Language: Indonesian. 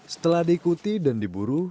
setelah diikuti dan diburu